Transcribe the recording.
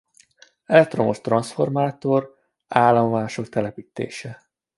Elektromos transzformátor állomások telepítése.